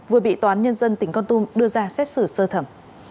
vừa bị toán nhân dân tỉnh con tum đưa ra xét xử sơ thẩm